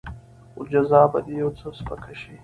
جزا به دې يو څه سپکه شي.